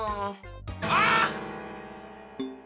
あっ！